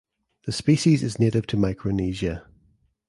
The species is native to Micronesia.